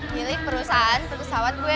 jadi perusahaan perusahaan gue